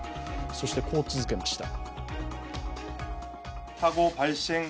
そしてこう続けました。